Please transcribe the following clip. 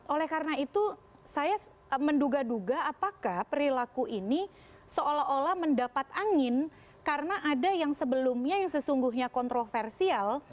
oleh karena itu saya menduga duga apakah perilaku ini seolah olah mendapat angin karena ada yang sebelumnya yang sesungguhnya kontroversial